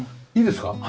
いいですか？